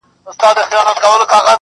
تش په نامه دغه ديدار وچاته څه وركوي.